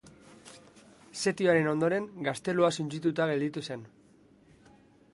Setioaren ondoren gaztelua suntsituta gelditu zen.